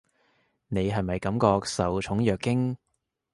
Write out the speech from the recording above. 你係咪感覺受寵若驚？